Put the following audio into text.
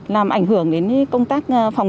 làm ảnh hưởng đến công tác phòng